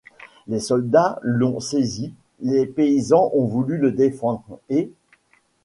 Les soldats l'ont saisi, les paysans ont voulu le défendre et.